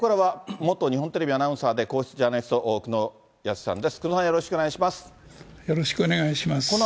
ここからは元日本テレビアナウンサーで皇室ジャーナリスト、久能靖さんです。